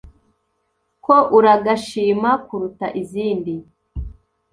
ko uragashima kuruta izindi